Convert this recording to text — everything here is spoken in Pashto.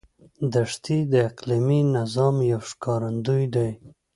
دښتې د اقلیمي نظام یو ښکارندوی دی.